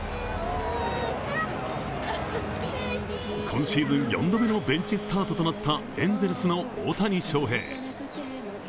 今シーズン４度目のベンチスタートとなったエンゼルスの大谷翔平。